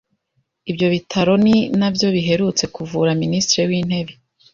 Ibyo bitaro ni nabyo biherutse kuvura Minisitiri w'intebe